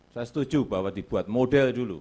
saya setuju bahwa dibuat model dulu